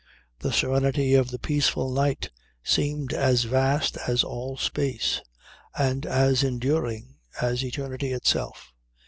The serenity of the peaceful night seemed as vast as all space, and as enduring as eternity itself.